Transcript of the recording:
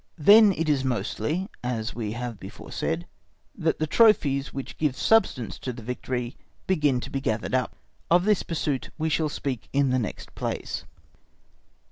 Then it is mostly, as we have before said, that the trophies which give substance to the victory begin to be gathered up. Of this pursuit we shall speak in the next place.